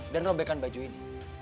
dan nobekan baju ini